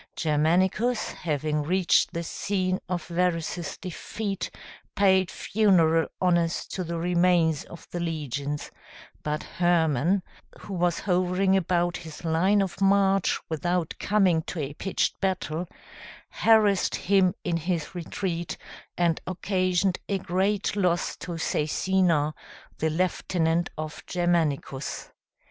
Germanicus, having reached the scene of Varus's defeat, paid funeral honors to the remains of the legions; but Hermann, who was hovering about his line of march, without coming to a pitched battle, harassed him in his retreat, and occasioned a great loss to Cæcina, the lieutenant of Germanicus.